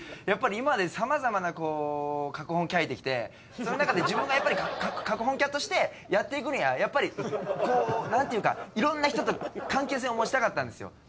やっぱり今まで様々なカクホンキャいてきてその中で自分がやっぱりカクホンキャとしてやっていくにはやっぱりこう何ていうか色んな人と関係性を持ちたかったんですよ